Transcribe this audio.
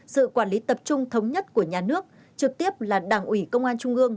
sự quản lý tập trung thống nhất của nhà nước trực tiếp là đảng ủy công an trung ương